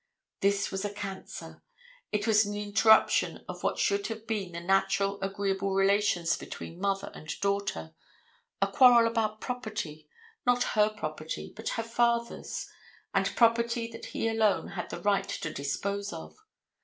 This was a cancer. It was an interruption of what should have been the natural agreeable relations between mother and daughter, a quarrel about property, not her property, but her father's, and property that he alone had the right to dispose of.